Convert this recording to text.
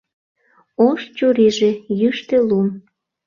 Ош чурийже — йӱштӧ лум